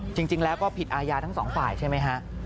จริงแล้วก็ผิดอาญาทั้งสองฝ่ายใช่ไหมฮะ